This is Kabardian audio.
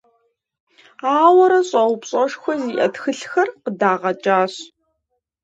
Ауэрэ щӏэупщӏэшхуэ зиӏэ тхылъхэр къыдагъэкӏащ.